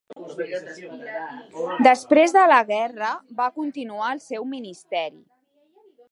Després de la guerra va continuar el seu ministeri.